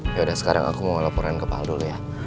yaudah sekarang aku mau ngelaporin ke pak al dulu ya